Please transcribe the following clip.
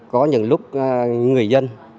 có những lúc người dân